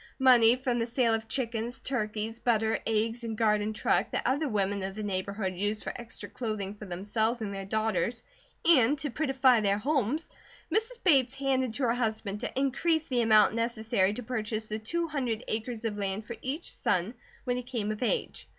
Money from the sale of chickens, turkeys, butter, eggs, and garden truck that other women of the neighbourhood used for extra clothing for themselves and their daughters and to prettify their homes, Mrs. Bates handed to her husband to increase the amount necessary to purchase the two hundred acres of land for each son when he came of age.